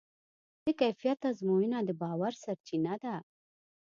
د کیفیت ازموینه د باور سرچینه ده.